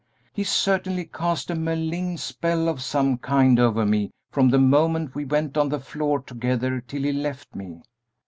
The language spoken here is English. He certainly cast a malign spell of some kind over me from the moment we went on the floor together till he left me."